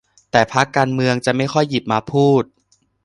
แต่พรรคการเมืองจะไม่ค่อยหยิบมาพูด